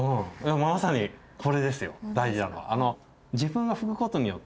まさにこれですよ大事なのは。